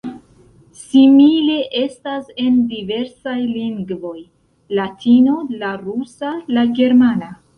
Simile estas en diversaj lingvoj: Latino, la rusa, la germana.